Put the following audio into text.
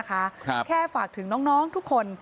แค่ฝากถึงน้องทุกคน